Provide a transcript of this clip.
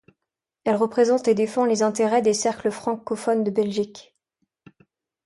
Elle représente et défend les intérêts des cercles francophones de Belgique.